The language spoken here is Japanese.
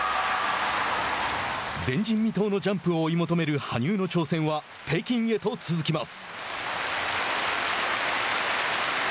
前人未到のジャンプを追い求める羽生の挑戦は北京へと続きます。